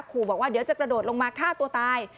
ขู่บอกว่าเดี๋ยวจะกระโดดลงมาฆ่าตัวตาย